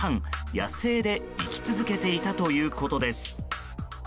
野生で生き続けていたということです。